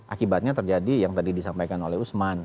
akibatnya terjadi yang tadi disampaikan oleh usman